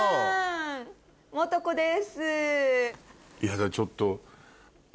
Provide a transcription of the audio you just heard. やだちょっと。